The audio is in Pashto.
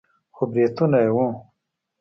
خو برېتونه يې وو.